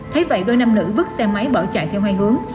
thấy vậy đôi nam nữ xe máy bỏ chạy theo hai hướng